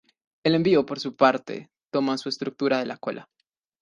El envío, por su parte, toma su estructura de la cola.